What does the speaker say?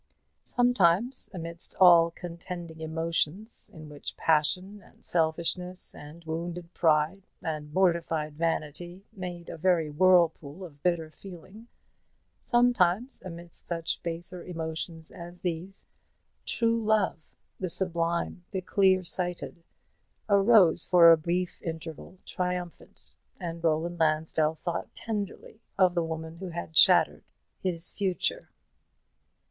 Sometimes amidst all contending emotions, in which passion, and selfishness, and wounded pride, and mortified vanity, made a very whirlpool of bitter feeling, sometimes amidst such baser emotions as these, true love the sublime, the clear sighted arose for a brief interval triumphant, and Roland Lansdell thought tenderly of the woman who had shattered his future.